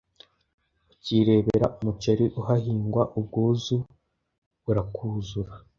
ukirebera umuceri uhahingwa ubwuzu burakuzura,